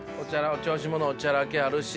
お調子者おちゃらけあるし。